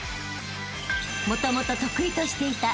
［もともと得意としていた］